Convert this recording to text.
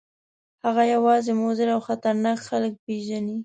هغه یوازې مضر او خطرناک خلک پېژني.